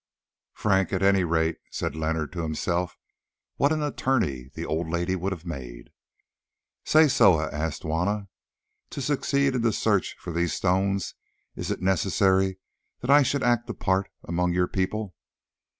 "Frank, at any rate," said Leonard to himself. "What an attorney the old lady would have made!" "Say, Soa," asked Juanna, "to succeed in the search for these stones is it necessary that I should act a part among your people?"